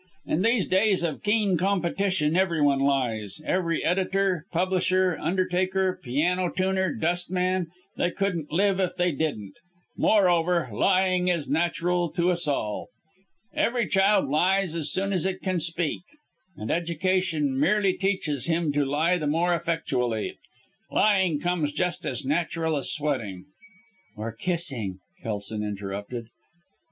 In these days of keen competition every one lies every editor, publisher, undertaker, piano tuner, dustman they couldn't live if they didn't. Moreover lying is natural to us all. Every child lies as soon as it can speak; and education merely teaches him to lie the more effectually. Lying comes just as natural as sweating " "Or kissing," Kelson interrupted.